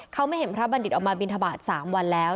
เขาไม่เห็นพระบัณฑิตออกมาบินทบาท๓วันแล้ว